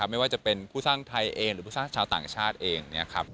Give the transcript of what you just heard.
ไม่ว่าจะเป็นผู้สร้างไทยของพ่อต่างชาติเอง